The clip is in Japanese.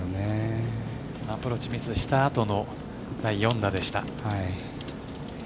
アプローチをミスした後の第４打でした。